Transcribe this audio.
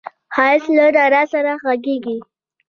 ښایست له رڼا سره غږېږي